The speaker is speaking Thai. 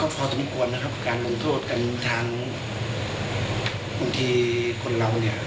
พอสมควรนะครับการลงโทษกันทางบางทีคนเราเนี่ย